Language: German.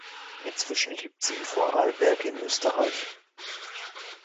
Inzwischen lebt sie in Vorarlberg in Österreich.